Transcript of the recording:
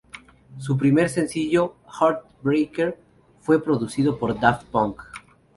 Su primer sencillo "Heartbreaker" fue producido por Daft Punk.